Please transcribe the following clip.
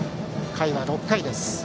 回は６回です。